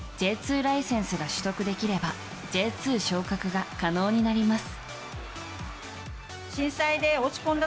ライセンスが取得できればＪ２昇格が可能になります。